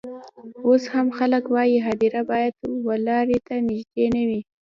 اوس هم خلک وايي هدیره باید و لاري ته نژدې نه وي.